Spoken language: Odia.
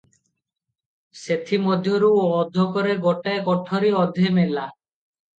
ସେଥିମଧ୍ୟରୁ ଅଧକରେ ଗୋଟିଏ କୋଠରୀ, ଅଧେ ମେଲା ।